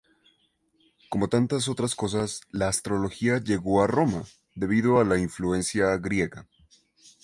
Como tantas otras cosas, la astrología llegó a Roma debido a la influencia griega.